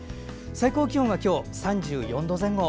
最高気温は、今日、３４度前後。